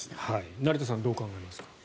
成田さんどう考えますか？